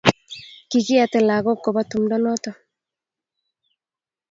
kikiete lagok koba tumdo noto